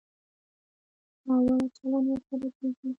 ناوړه چلند ورسره کېږي.